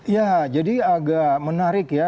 ya jadi agak menarik ya